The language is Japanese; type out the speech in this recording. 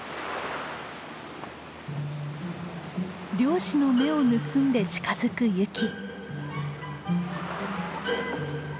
漁師の目を盗んで近づくユキ。